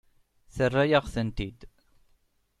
Terra-yaɣ-tent-id.